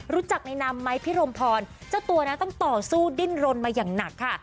รู้จักในนามไหมพี่รมพรเจ้าตัวนะต้องต่อสู้ดิ้นรนมาอย่างหนักค่ะ